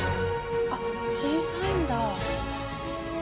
あっ小さいんだ。